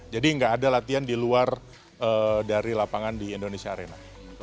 jadi enggak ada latihan di luar dari lapangan di indonesia arena